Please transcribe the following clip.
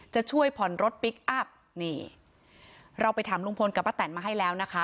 จะช่วยผ่อนรถพลิกอัพนี่เราไปถามลุงพลกับป้าแตนมาให้แล้วนะคะ